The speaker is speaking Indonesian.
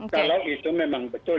kalau itu memang betul